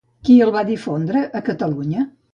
Qui el va difondre a Catalunya?